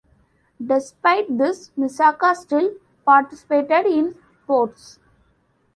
Despite this, Misaka still participated in sports.